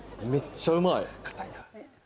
めっちゃうまい。